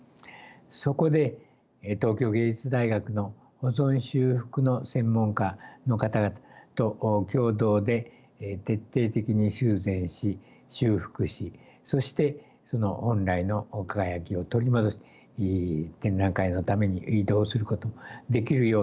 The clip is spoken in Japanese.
そこで東京藝術大学の保存修復の専門家の方々と共同で徹底的に修繕し修復しそして本来の輝きを取り戻し展覧会のために移動することもできるようになりました。